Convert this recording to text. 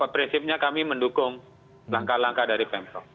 prinsipnya kami mendukung langkah langkah dari pemprov